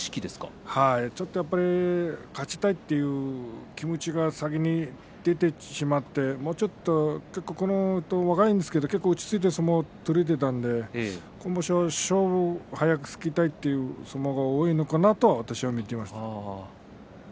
ちょっとやっぱり勝ちたいという気持ちが先に出てしまって、もうちょっと若いんですけど落ち着いて相撲が取れていたんで今場所は勝負を早くつけたいという相撲が多いのかなと私は見ていました。